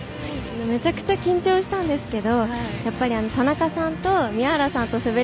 めちゃくちゃ緊張したんですけど